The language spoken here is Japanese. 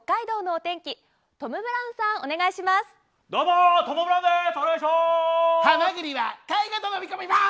お願いします！